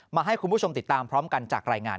มาให้คุณผู้ชมติดตามพร้อมกันจากรายงาน